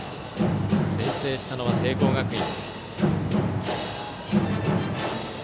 先制したのは聖光学院。